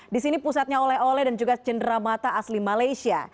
di sini pusatnya oleh oleh dan juga cenderamata asli malaysia